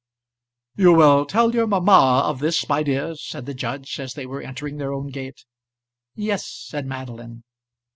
"You will tell your mamma of this my dear," said the judge, as they were entering their own gate. "Yes," said Madeline.